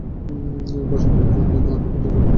বরদাসুন্দরী কহিলেন, আবার কতবার করে সম্মত করতে হবে?